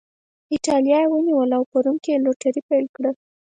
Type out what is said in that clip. اېټالیا یې ونیوله او په روم کې یې لوټري پیل کړه.